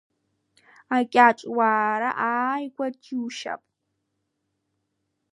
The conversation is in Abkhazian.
Акьаҿ уаара ааига џьушьап!